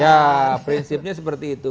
ya prinsipnya seperti itu